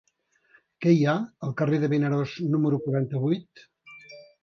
Què hi ha al carrer de Vinaròs número quaranta-vuit?